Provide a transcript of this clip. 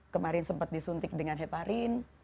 kemarin sempat disuntik dengan heparin